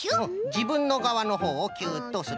じぶんのがわのほうをキュッとする。